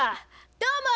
どうも！